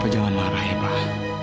pak jangan marah ya pak